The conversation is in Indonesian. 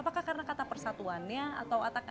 apakah karena kata persatuannya atau